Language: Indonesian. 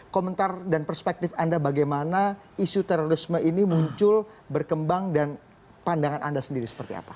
komentar dan perspektif anda bagaimana isu terorisme ini muncul berkembang dan pandangan anda sendiri seperti apa